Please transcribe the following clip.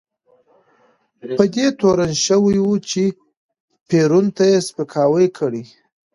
په دې تورن شوی و چې پېرون ته یې سپکاوی کړی.